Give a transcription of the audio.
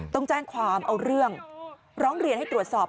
ต้องแจ้งความเอาเรื่องร้องเรียนให้ตรวจสอบ